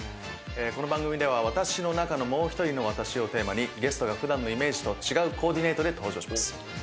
この番組は私の中のもう１人の私をテーマにゲストや普段のイメージと違うコーディネートで登場します。